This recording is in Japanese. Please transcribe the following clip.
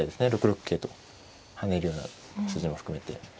６六桂と跳ねるような筋も含めて。